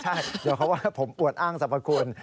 ใช่เดี๋ยวเขาว่าผมอวดอ้างสรรพคุณ